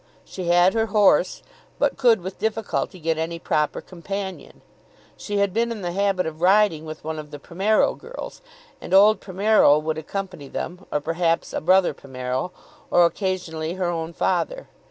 She had her horse, but could with difficulty get any proper companion. She had been in the habit of riding with one of the Primero girls, and old Primero would accompany them, or perhaps a brother Primero, or occasionally her own father.